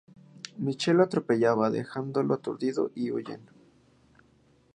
Michelle lo atropella dejándolo aturdido y huyen.